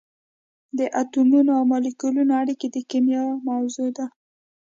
د اتمونو او مالیکولونو اړیکې د کېمیا موضوع ده.